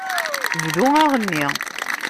Bdu aɣenni.